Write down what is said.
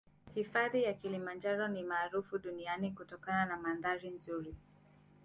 Hifadhi ya kilimanjaro ni maarufu duniani kutokana na mandhari nzuri